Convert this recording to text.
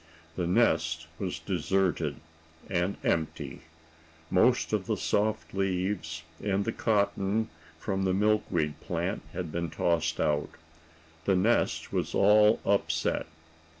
The nest was deserted, and empty. Most of the soft leaves, and the cotton from the milkweed plant had been tossed out. The nest was all upset.